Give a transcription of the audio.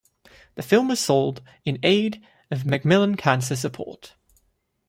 The film was sold in aid of Macmillan Cancer Support.